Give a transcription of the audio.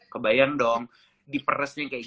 kebayang dong di peresnya kayak gini